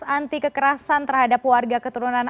anti kekerasan terhadap warga keturunan